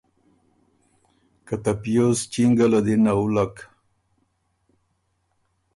که ته پیوز چینګه له دی نَوُلّک۔